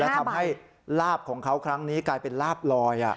ทำให้ลาบของเขาครั้งนี้กลายเป็นลาบลอย